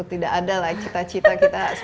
tidak ada lah cita cita kita